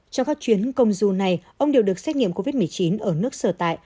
trong các chuyến công du này ông đều được xét nghiệm covid một mươi chín ở nước sở tại